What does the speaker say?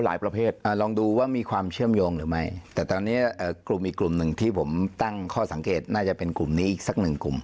ไม่ได้ถามกับลูกความเลยหรือว่าตกลงใช่ไม่ใช่อะไรยังไง